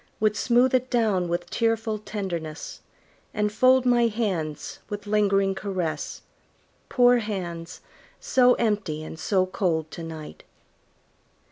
Would smooth it down with tearful tenderness, And fold my hands with lingering caress Poor hands, so empty and so cold to night!